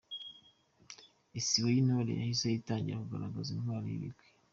Isibo y’intore yahise itangira kugaragaza “intwari n’ibigwari”.